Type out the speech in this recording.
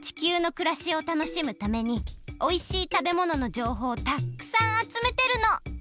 地球のくらしをたのしむためにおいしいたべもののじょうほうをたくさんあつめてるの！